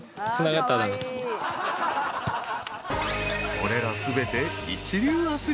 ［これら全て］